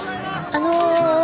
あの。